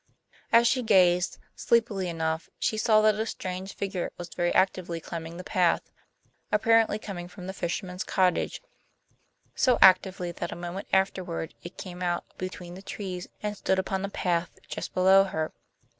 As she gazed, sleepily enough, she saw that a strange figure was very actively climbing the path, apparently coming from the fisherman's cottage; so actively that a moment afterwards it came out between the trees and stood upon the path just below her.